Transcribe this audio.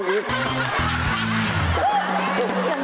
มาไหนล่ะ